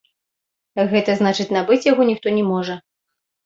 Гэта значыць набыць яго ніхто не можа.